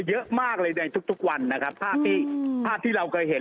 ทะนด์เยอะมากเลยทุกวันนะครับภาพที่เราเคยเห็น